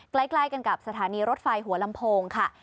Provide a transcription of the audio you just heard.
ใกล้กันกับสถานีรถไฟหัวลำโพงค่ะ